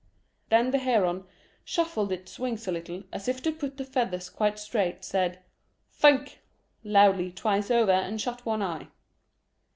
Then the heron shuffled its wings a little as if to put the feathers quite straight, said "Phenk" loudly twice over, and shut one eye.